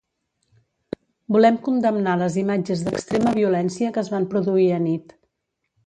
Volem condemnar les imatges d’extrema violència que es van produir anit.